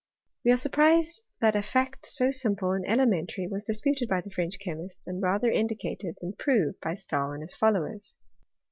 We are surprised that a fact 80 simple and elementary was disputed by the French chemists, and rather indicated than proved by Stahl and his followers.